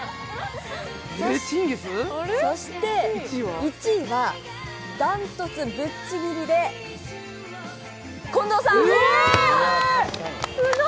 そして１位はダントツぶっちぎりで近藤さん！